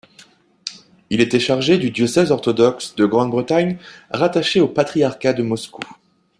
Il était chargé du diocèse orthodoxe de Grande-Bretagne rattaché au patriarcat de Moscou.